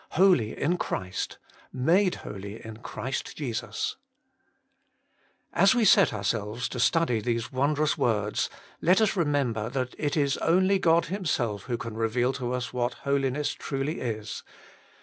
Holy in Christ ! Made holy in Christ Jesus ! As we set ourselves to study these wondrous words, let us remember that it is only God Himself who can reveal to us what Holiness truly is.